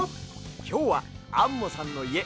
きょうはアンモさんのいえ